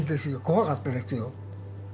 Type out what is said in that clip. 怖かったですよ。